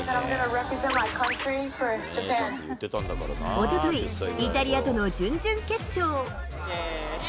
おととい、イタリアとの準々決勝。